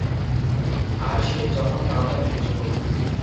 আর সে যখন কাউন্টারে বসতো।